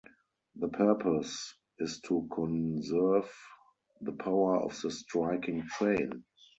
The purpose is to conserve the power of the striking train.